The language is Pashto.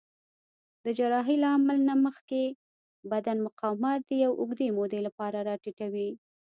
د جراحۍ له عمل څخه مخکې بدن مقاومت د یوې اوږدې مودې لپاره راټیټوي.